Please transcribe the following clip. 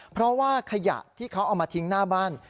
เพราะว่าขยะที่เขาเอามาทิ้งหน้าบ้าน